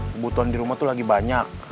kebutuhan di rumah tuh lagi banyak